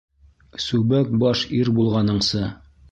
Сүбәк баш ир булғаныңсы